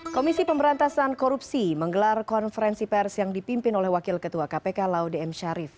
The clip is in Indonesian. komisi pemberantasan korupsi menggelar konferensi pers yang dipimpin oleh wakil ketua kpk laude m syarif